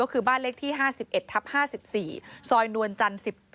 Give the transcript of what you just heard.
ก็คือบ้านเลขที่๕๑ทับ๕๔ซอยนวลจันทร์๑๗